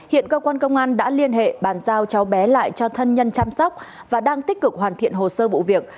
hiện cơ quan công an đã liên hệ bàn giao cháu bé lại cho thân nhân chăm sóc và đang tích cực hoàn thiện hồ sơ vụ việc